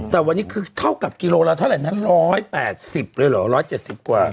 แต่วันนี้คือเท่ากับกิโลละเท่าไหร่นะ๑๘๐เลยเหรอ๑๗๐กว่า